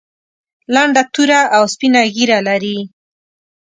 لنډه توره او سپینه ږیره لري.